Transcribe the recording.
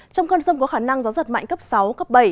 trong cơn rông có khả năng gió giật mạnh cấp sáu cấp bảy